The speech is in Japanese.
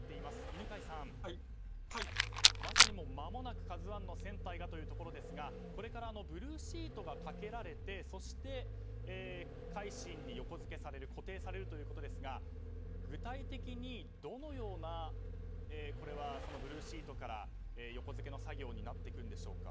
犬飼さん、まさにまもなく「ＫＡＺＵ１」の船体がというところですがこれから、ブルーシートがかけられてそして、「海進」に横付け固定されるということですが具体的に、どのようなブルーシートから横付けの作業になっていくんでしょうか。